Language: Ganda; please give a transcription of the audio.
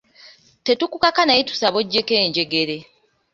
Tetukukaka naye tusaba oggyeko enjegere.